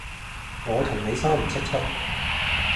我同你三唔識七